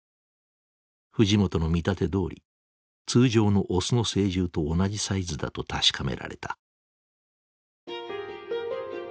藤本の見立てどおり通常のオスの成獣と同じサイズだと確かめられた。